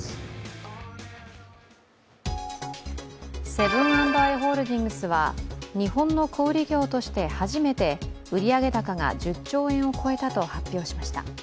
セブン＆アイ・ホールディングスは日本の小売業として初めて売上高が１０兆円を超えたと発表しました。